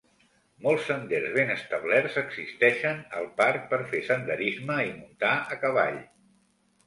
Molts senders ben establerts existeixen al parc per fer senderisme i muntar a cavall.